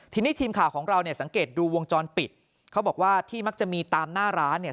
ทีนี้ทีมข่าวของเราเนี่ยสังเกตดูวงจรปิดเขาบอกว่าที่มักจะมีตามหน้าร้านเนี่ย